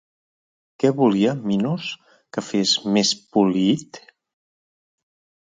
Què volia Minos que fes més Poliïd?